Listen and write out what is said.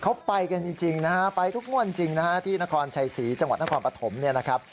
เขาไปกันจริงนะฮะไปทุกงวดจริงนะฮะที่นครชัยศรีจังหวัดนครปฐมเนี่ยนะครับ